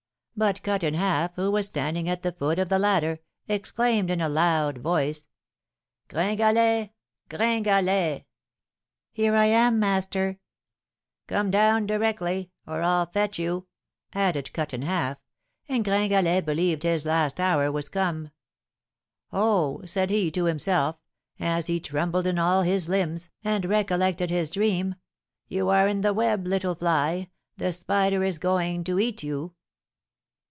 But Cut in Half, who was standing at the foot of the ladder, exclaimed in a loud voice, 'Gringalet! Gringalet!' 'Here I am, master.' 'Come down directly, or I'll fetch you!' added Cut in Half; and Gringalet believed his last hour was come. 'Oh,' said he to himself as he trembled in all his limbs, and recollected his dream, 'you are in the web, little fly, the spider is going to eat you!'